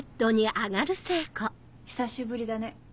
久しぶりだね。